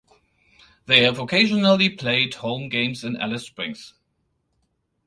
They have occasionally played home games in Alice Springs.